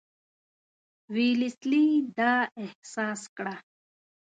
ویلسلي دا احساس کړه.